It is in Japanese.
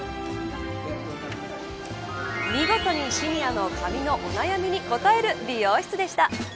見事に、シニアの髪のお悩みに応える美容室でした。